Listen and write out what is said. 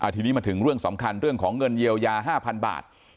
ทีนี้มาถึงเรื่องสำคัญเรื่องของเงินเยียวยา๕๐๐๐บาท